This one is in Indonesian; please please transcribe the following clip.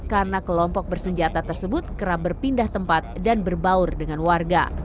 karena kelompok bersenjata tersebut kerap berpindah tempat dan berbaur dengan warga